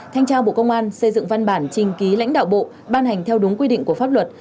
thanh tra bộ công an xây dựng văn bản trình ký lãnh đạo bộ ban hành theo đúng quy định của pháp luật